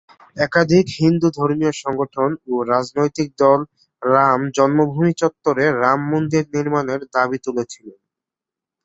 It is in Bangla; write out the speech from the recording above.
একাধিক হিন্দু ধর্মীয় সংগঠন ও রাজনৈতিক দল রাম জন্মভূমি চত্বরে রাম মন্দির নির্মাণের দাবি তুলেছিলেন।